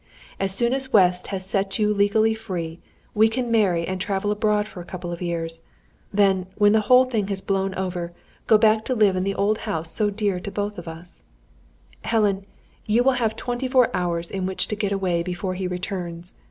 As soon as West has set you legally free, we can marry and travel abroad for a couple of years; then, when the whole thing has blown over, go back to live in the old house so dear to us both. "Helen, you will have twenty four hours in which to get away before he returns.